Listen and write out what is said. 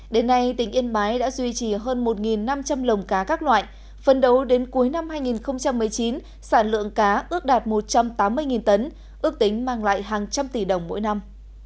đến nay tỉnh yên bái đã duy trì hơn một năm trăm linh lồng cá các loại phân đấu đến cuối năm hai nghìn một mươi chín sản lượng cá ước đạt một trăm tám mươi tấn ước tính mang lại hàng trăm tỷ đồng mỗi năm